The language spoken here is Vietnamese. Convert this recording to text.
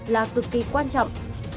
là cực kỳ quan trọng